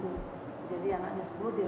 biar jadi orang manfaat ikut betul